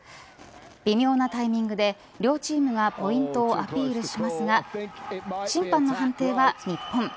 微妙なタイミングで両チームがポイントをアピールしますが審判の判定は日本。